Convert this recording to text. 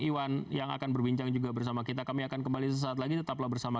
untuk bawa pesawat dan kemudian langsung dibawa ke jawa